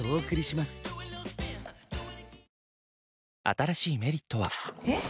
新しい「メリット」はえっ！